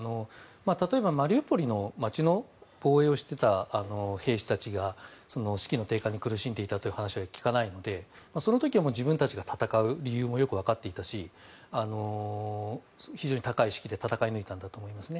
例えば、マリウポリの街の防衛をしていた兵士たちが士気の低下に苦しんでいたという話は聞かないのでその時は自分たちが戦う理由もよくわかっていたし非常に高い士気で戦い抜いたんだと思います。